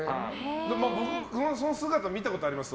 僕も、その姿見たことあります。